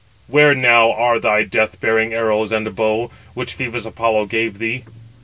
Where now are thy death bearing arrows and bow, which Phœbus Apollo gave thee?"